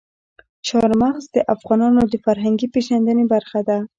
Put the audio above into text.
چار مغز د افغانانو د فرهنګي پیژندنې برخه ده.